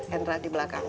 hendra di belakang